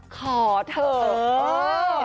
ขอเถอะ